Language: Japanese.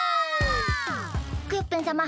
クヨッペンさま